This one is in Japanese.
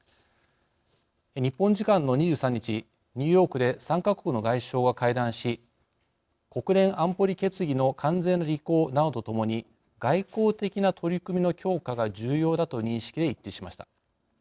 日本時間の２３日ニューヨークで３か国の外相が会談し国連安保理決議の完全な履行などとともに外交的な取り組みの強化が重要だという認識で一致しました。